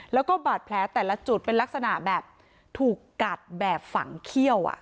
แล้วก็บาดแผลแต่ละจุดเป็นลักษณะแบบถูกกัดแบบฝังเขี้ยว